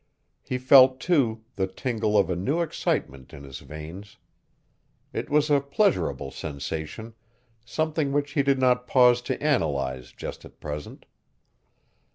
He felt, too, the tingle of a new excitement in his veins. It was a pleasurable sensation, something which he did not pause to analyze just at present.